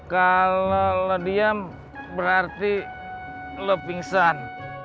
kalau lu diam berarti lu pingsan